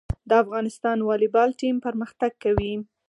د افغانستان والیبال ټیم پرمختګ کوي